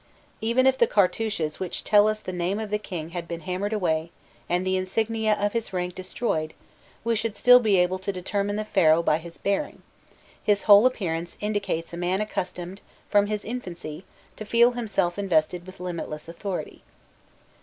Even if the cartouches which tell us the name of the king had been hammered away and the insignia of his rank destroyed, we should still be able to determine the Pharaoh by his bearing: his whole appearance indicates a man accustomed from his infancy to feel himself invested with limitless authority.